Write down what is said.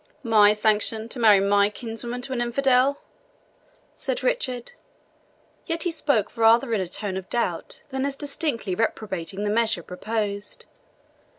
"My sanction to marry my kinswoman to an infidel!" said Richard; yet he spoke rather in a tone of doubt than as distinctly reprobating the measure proposed.